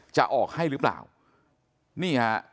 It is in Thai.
จะออกให้หรือเปล่านี่ฮะ